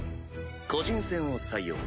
個人戦を採用。